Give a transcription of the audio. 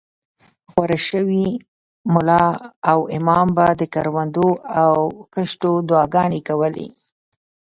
غوره شوي ملا او امام به د کروندو او کښتو دعاګانې کولې.